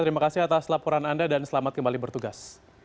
terima kasih atas laporan anda dan selamat kembali bertugas